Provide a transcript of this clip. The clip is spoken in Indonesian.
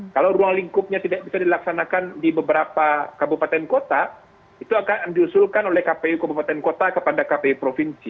kalau ruang lingkupnya tidak bisa dilaksanakan di beberapa kabupaten kota itu akan diusulkan oleh kpu kabupaten kota kepada kpu provinsi